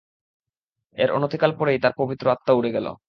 এর অনতিকাল পরেই তার পবিত্র আত্মা উড়ে গেল।